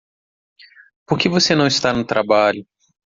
Por que você não está no trabalho?